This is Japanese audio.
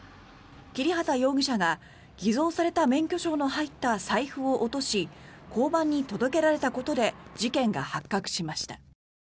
切畑容疑者が偽造された免許証の入った財布を落とし交番に届けられたことで事件が発覚しました。